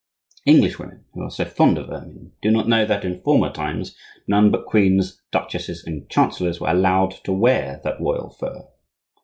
Englishwomen, who are so fond of ermine, do not know that in former times none but queens, duchesses, and chancellors were allowed to wear that royal fur.